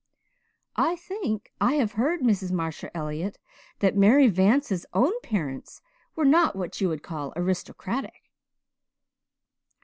"I think I have heard, Mrs. Marshall Elliott, that Mary Vance's own parents were not what you could call aristocratic."